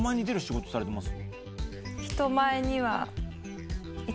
人前には。